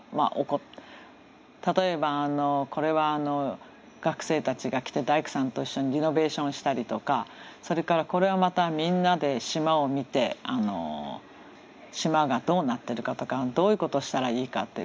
例えばこれは学生たちが来て大工さんと一緒にリノベーションしたりとかそれからこれはまたみんなで島を見て島がどうなってるかとかどういうことしたらいいかって。